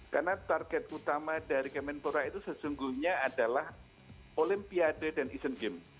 karena target utama dari kemenpora itu sesungguhnya adalah olimpiade dan asian games